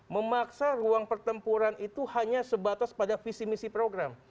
memaksa ruang pertempuran itu hanya sebatas pada visi misi program